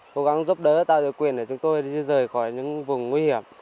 cố gắng giúp đỡ tạo được quyền để chúng tôi đi rời khỏi những vùng nguy hiểm